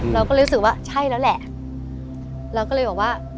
เราก็รู้สึกว่าใช่แล้วแหละเราก็เลยบอกว่า